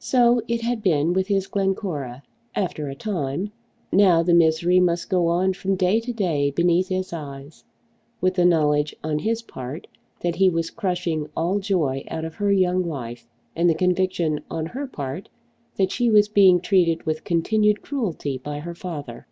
So it had been with his Glencora, after a time. Now the misery must go on from day to day beneath his eyes, with the knowledge on his part that he was crushing all joy out of her young life, and the conviction on her part that she was being treated with continued cruelty by her father!